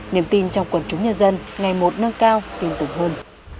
niềm tin trong quần chúng nhân dân ngày một nâng cao tin tưởng hơn